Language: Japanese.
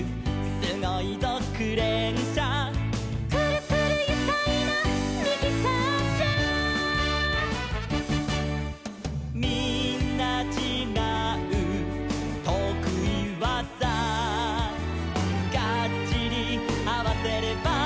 「すごいぞクレーンしゃ」「くるくるゆかいなミキサーしゃ」「みんなちがうとくいわざ」「ガッチリあわせれば」